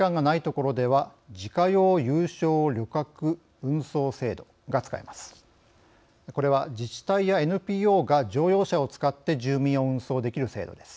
これは自治体やＮＰＯが乗用車を使って住民を運送できる制度です。